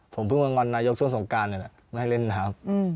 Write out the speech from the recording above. ผมเพิ่งมางอนนายกช่วงสมการเลยล่ะไม่ให้เล่นน้ำ